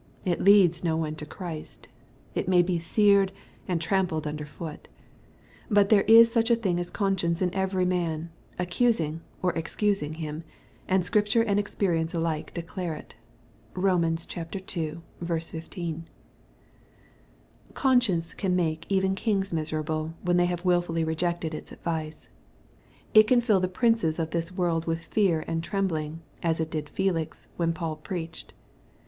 It leads no one to Christ. It may be seared and trampled under foot. But there is such a thing as con science in every man, accusing or excusing him ; and Scripture and experience alike declare it. (Rom. ii. 15.) Conscience can make even kings miserable, when they have wilfully rejected its advice. It can fill the princes of this world with fear and trembling, as it did Felix, when Paul preached.